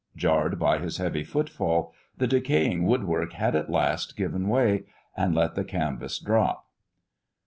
Jarred by his heavy footfall, the decaying woodwork had at last given way, and let the canvas drop.